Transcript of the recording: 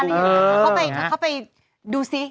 นายต้องเข้าไปดูสิ